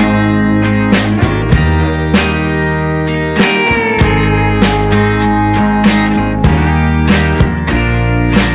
adit bangun adit